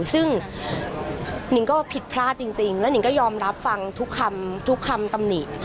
ซึ่งนิงก็ผิดพลาดจริงแล้วนิงก็ยอมรับฟังทุกคำทุกคำตำหนิ